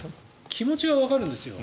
気持ちはわかるんですよ。